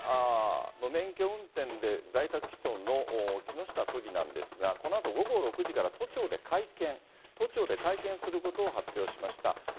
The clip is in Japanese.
無免許運転で在宅起訴の木下都議なんですが、このあと午後６時から都庁で会見、都庁で会見することを発表しました。